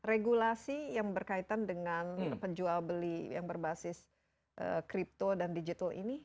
regulasi yang berkaitan dengan penjual beli yang berbasis crypto dan digital ini